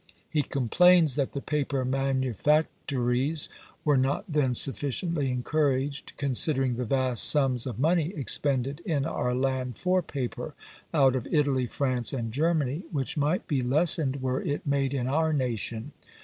He complains that the paper manufactories were not then sufficiently encouraged, "considering the vast sums of money expended in our land for paper, out of Italy, France, and Germany, which might be lessened, were it made in our nation.